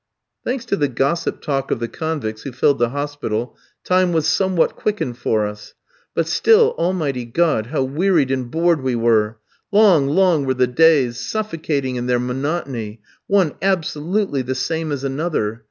'" Thanks to the gossip talk of the convicts who filled the hospital, time was somewhat quickened for us. But still, Almighty God, how wearied and bored we were! Long, long were the days, suffocating in their monotony, one absolutely the same as another.